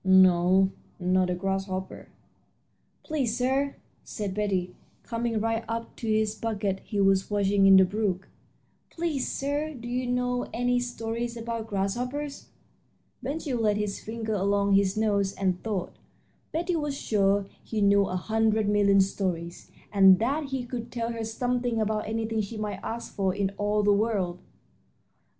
"No, not a grasshopper." "Please, sir," said Betty, coming right up to the bucket he was washing in the brook "please, sir, do you know any stories about grasshoppers?" Ben Gile laid his finger along his nose and thought. Betty was sure he knew a hundred million stories, and that he could tell her something about anything she might ask for in all the world.